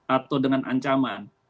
atau dengan ancaman